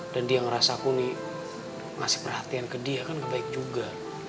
dan dia ngerasa aku nih ngasih perhatian ke dia kan kebaik juga